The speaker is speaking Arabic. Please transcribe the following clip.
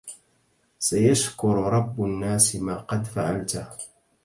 سيشكر رب الناس ما قد فعلته